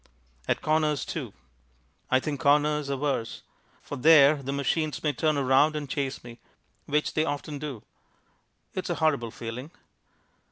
At corners, too. I think corners are worse. For there the machines may turn around and chase me, which they often do. It's a horrible feeling.